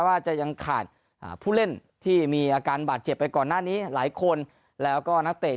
ว่าจะยังขาดผู้เล่นที่มีอาการบาดเจ็บไปก่อนหน้านี้หลายคนแล้วก็นักเตะ